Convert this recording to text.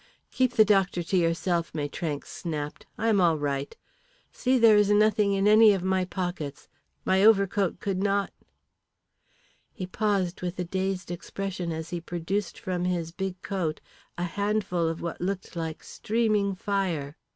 "Keep the doctor to yourself," Maitrank snapped. "I'm all right. See, there is nothing in any of my pockets. My overcoat could not " He paused with a dazed expression as he produced from his big coat a handful of what looked like streaming fire.